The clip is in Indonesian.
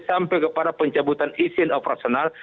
sampai kepada pencabutan izin operasional